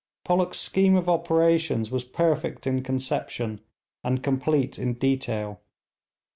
Pollock's scheme of operations was perfect in conception and complete in detail.